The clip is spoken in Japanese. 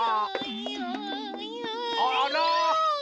あら！